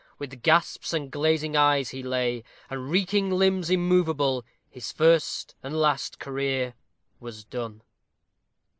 With gasps and glazing eyes he lay, And reeking limbs immovable, His first, and last career was done.